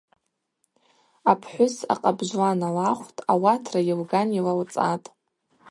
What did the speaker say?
Апхӏвыс акъабжвла налахвтӏ, ауатра йылган йлалцӏатӏ.